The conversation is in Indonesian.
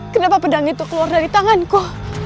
kenapa pedang itu keluar dari tanganku